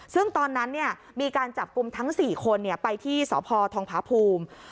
ซึ่งตอนนั้นมีการจับกลุ่มทั้ง๔คนไปที่สพทองพาภูมิ